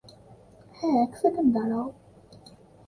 হ্যাঁ, এক সেকেন্ড দাঁড়াও।